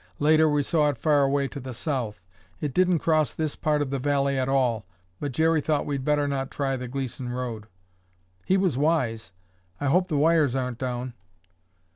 Later we saw it far away to the south. It didn't cross this part of the valley at all, but Jerry thought we'd better not try the Gleeson road." "He was wise. I hope the wires aren't down."